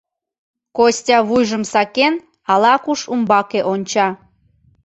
Костя вуйжым сакен, ала-куш умбаке онча.